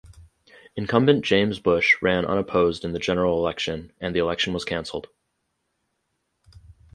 Incumbent James Bush ran unopposed in the general election and the election was canceled.